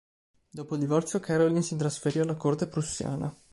Dopo il divorzio, Karoline si trasferì alla corte prussiana.